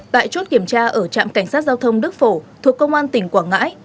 tại chốt kiểm tra ở trạm cảnh sát giao thông đức phổ thuộc công an tỉnh quảng ngãi